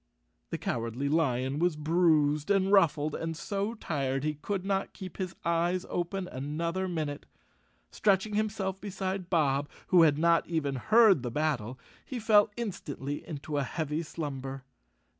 The Cowardly Lion was bruised and ruffled, and so tired he could not keep his eyes open another minute. Stretching himself beside Bob, who had not even heard the battle, he fell instantly into a heavy slumber.